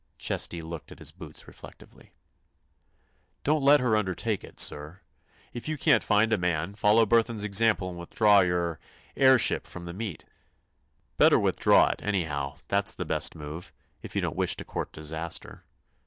Chesty looked at his boots reflectively. "Don't let her undertake it, sir," he said. "If you can't find a man, follow Burthon's example and withdraw your—eh—airship from the meet. Better withdraw it, anyhow—that's the best move—if you don't wish to court disaster."